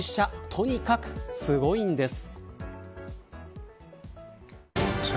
とにかく、すごいんです。